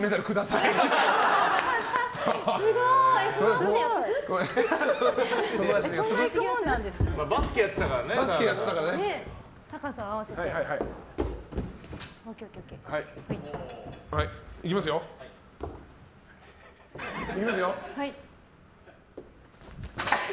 いきますよ。